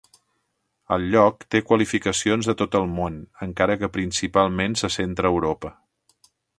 El lloc té qualificacions de tot el món, encara que principalment se centra a Europa.